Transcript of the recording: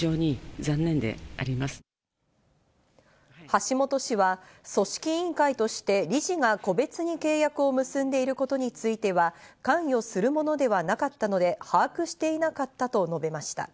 橋本氏は、組織委員会として理事が個別に契約を結んでいることについては、関与するものではなかったので把握していなかったと述べました。